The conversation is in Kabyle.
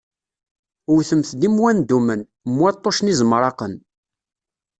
Wtemt-d i mm wandumen, mm waṭṭucen izemraqen.